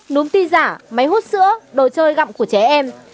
núm tin giả máy hút sữa đồ chơi gặm của trẻ em